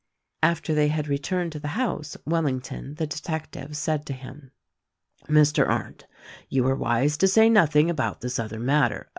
After they had returned to the house, Wellington, the detective said to him, "Mr. Arndt, you are wise to say nothing about this other matter.